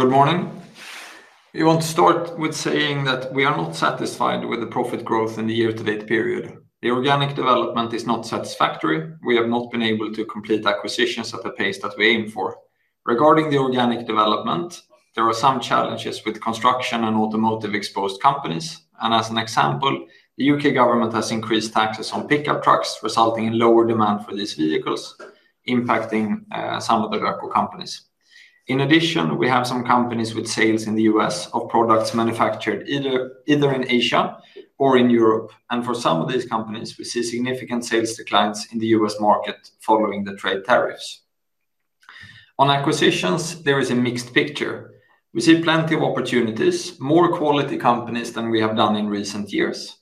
Good morning. We want to start with saying that we are not satisfied with the profit growth in the year-to-date period. The organic development is not satisfactory; we have not been able to complete acquisitions at the pace that we aim for. Regarding the organic development, there are some challenges with construction and automotive exposed companies, and as an example, the UK government has increased taxes on pickup trucks, resulting in lower demand for these vehicles, impacting some of the Röko companies. In addition, we have some companies with sales in the U.S. of products manufactured either in Asia or in Europe, and for some of these companies, we see significant sales declines in the US market following the trade tariffs. On acquisitions, there is a mixed picture. We see plenty of opportunities, more quality companies than we have done in recent years.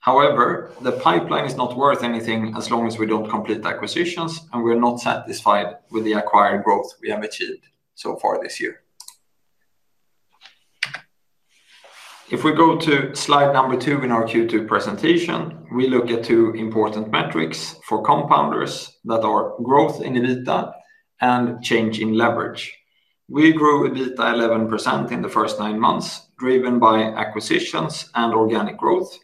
However, the pipeline is not worth anything as long as we do not complete acquisitions, and we are not satisfied with the acquired growth we have achieved so far this year. If we go to slide number two in our Q2 presentation, we look at two important metrics for compounders that are growth in EBITDA and change in leverage. We grew EBITDA 11% in the first nine months, driven by acquisitions and organic growth.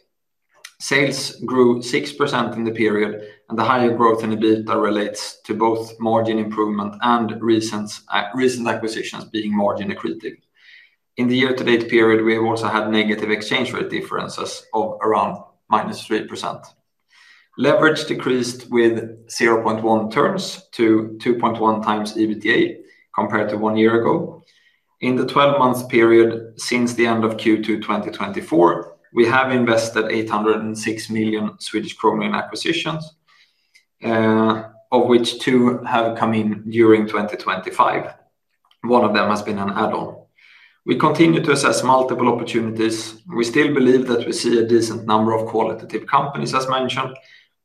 Sales grew 6% in the period, and the higher growth in EBITDA relates to both margin improvement and recent acquisitions being margin equitative. In the year-to-date period, we have also had negative exchange rate differences of around -3%. Leverage decreased with 0.1 turns to 2.1 times EBITDA compared to one year ago. In the 12-months period since the end of Q2 2024, we have invested 806 million in acquisitions. Of which two have come in during 2025. One of them has been an add-on. We continue to assess multiple opportunities. We still believe that we see a decent number of qualitative companies, as mentioned,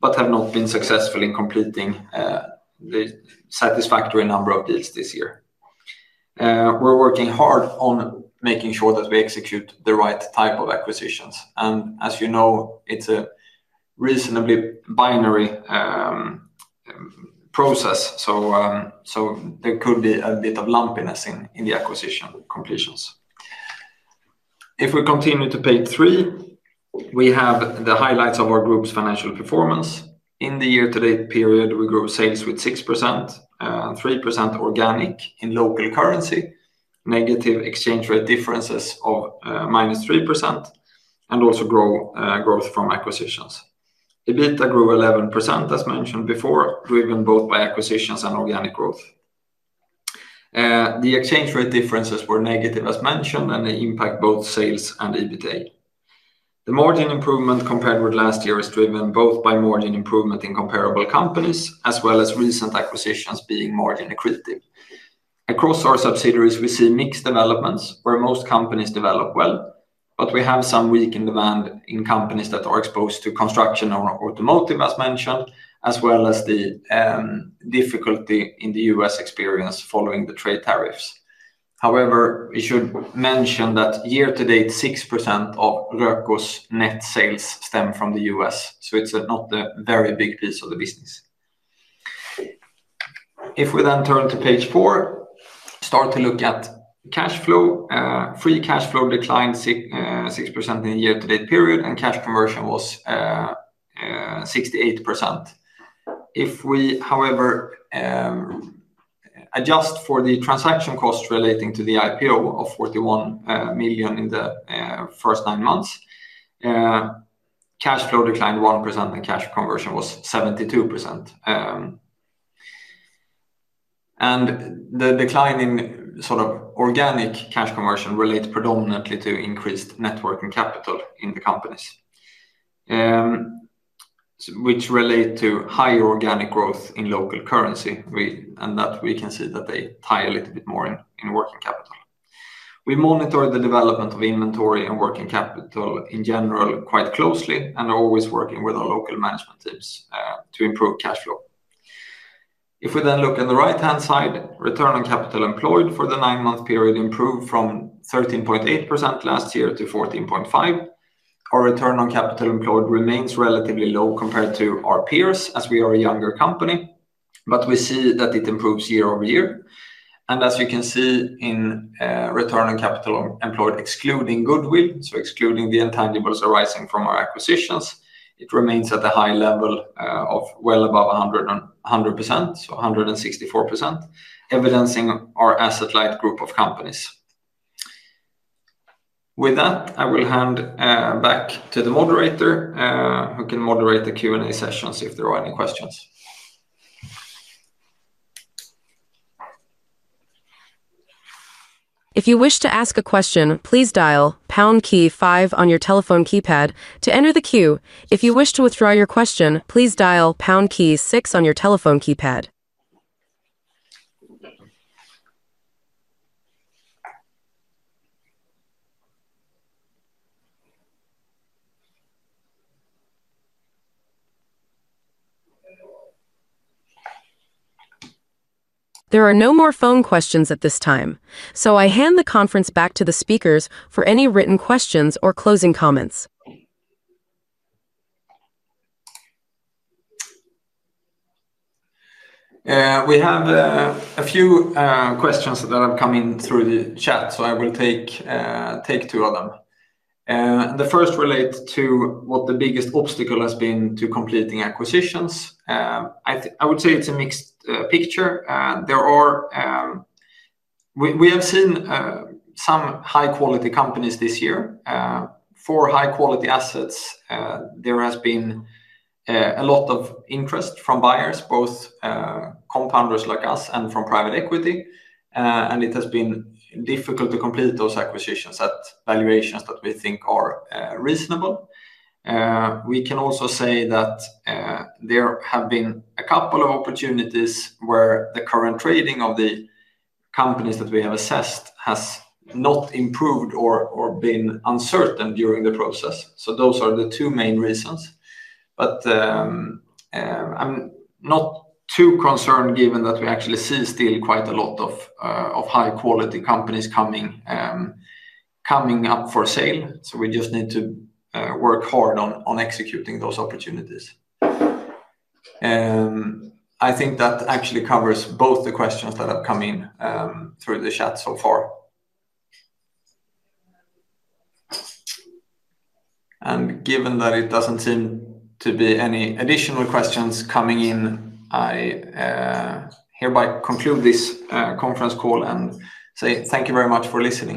but have not been successful in completing the satisfactory number of deals this year. We are working hard on making sure that we execute the right type of acquisitions, and as you know, it is a reasonably binary process, so there could be a bit of lumpiness in the acquisition completions. If we continue to page three, we have the highlights of our group's financial performance. In the year-to-date period, we grew sales with 6%, 3% organic in local currency, negative exchange rate differences of -3%, and also growth from acquisitions. EBITDA grew 11%, as mentioned before, driven both by acquisitions and organic growth. The exchange rate differences were negative, as mentioned, and they impact both sales and EBITDA. The margin improvement compared with last year is driven both by margin improvement in comparable companies, as well as recent acquisitions being margin equitative. Across our subsidiaries, we see mixed developments where most companies develop well, but we have some weakened demand in companies that are exposed to construction or automotive, as mentioned, as well as the. Difficulty in the US experience following the trade tariffs. However, we should mention that year-to-date 6% of Röko's net sales stem from the U.S., so it's not a very big piece of the business. If we then turn to page four. Start to look at cash flow. Free cash flow declined 6% in the year-to-date period, and cash conversion was 68%. If we, however, adjust for the transaction costs relating to the IPO of 41 million in the first nine months, cash flow declined 1%, and cash conversion was 72%. The decline in sort of organic cash conversion relates predominantly to increased net working capital in the companies, which relate to higher organic growth in local currency, and that we can see that they tie a little bit more in working capital. We monitor the development of inventory and working capital in general quite closely and are always working with our local management teams to improve cash flow. If we then look on the right-hand side, return on capital employed for the nine-month period improved from 13.8% last year to 14.5%. Our return on capital employed remains relatively low compared to our peers as we are a younger company, but we see that it improves year-over-year. As you can see in return on capital employed excluding goodwill, so excluding the intangibles arising from our acquisitions, it remains at a high level of well above 100%, so 164%, evidencing our asset-light group of companies. With that, I will hand back to the moderator who can moderate the Q&A sessions if there are any questions. If you wish to ask a question, please dial pound key five on your telephone keypad to enter the queue. If you wish to withdraw your question, please dial pound key six on your telephone keypad. There are no more phone questions at this time, so I hand the conference back to the speakers for any written questions or closing comments. We have a few questions that have come in through the chat, so I will take two of them. The first relates to what the biggest obstacle has been to completing acquisitions. I would say it's a mixed picture. We have seen some high-quality companies this year. For high-quality assets, there has been a lot of interest from buyers, both compounders like us and from private equity, and it has been difficult to complete those acquisitions at valuations that we think are reasonable. We can also say that there have been a couple of opportunities where the current trading of the companies that we have assessed has not improved or been uncertain during the process. Those are the two main reasons. I'm not too concerned given that we actually see still quite a lot of high-quality companies coming up for sale, so we just need to work hard on executing those opportunities. I think that actually covers both the questions that have come in through the chat so far. Given that it doesn't seem to be any additional questions coming in, I hereby conclude this conference call and say thank you very much for listening.